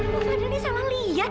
bapak dhani salah lihat